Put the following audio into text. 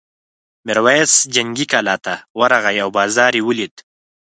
میرويس جنګي کلا ته ورغی او بازار یې ولید.